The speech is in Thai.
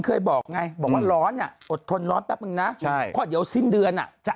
เคยบอกไงบอกว่าร้อนอ่ะอดทนร้อนแป๊บนึงนะใช่เพราะเดี๋ยวสิ้นเดือนอ่ะจะ